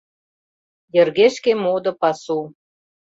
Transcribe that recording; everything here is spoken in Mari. Йыргешке модо пасу.